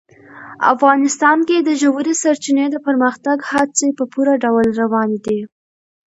افغانستان کې د ژورې سرچینې د پرمختګ هڅې په پوره ډول روانې دي.